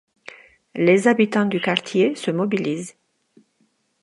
Les habitants du quartier se mobilisent.